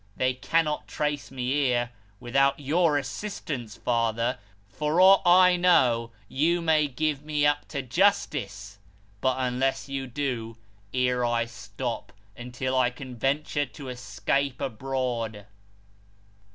They cannot trace me here, without your assistance, father. For aught I know, you may give me up to justice; but unless you do, hero I stop, until I can venture to escape abroad."